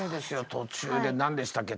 途中で何でしたっけ？